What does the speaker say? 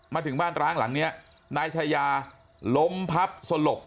มาถึงบ้านร้างหลังเนี้ยนายชายาล้มพับสลบ